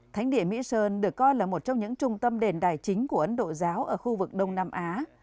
thánh địa mỹ sơn được coi là một trong những trung tâm đền đài chính của ấn độ giáo ở khu vực đông nam á